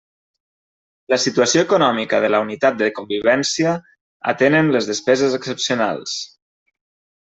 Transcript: La situació econòmica de la unitat de convivència, atenen les despeses excepcionals.